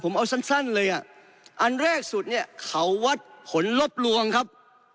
ผมเอาสั้นเลยอ่ะอันแรกสุดเนี่ยเขาวัดผลลบลวงครับ